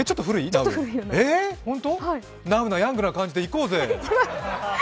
ナウなヤングな感じでいうぜ。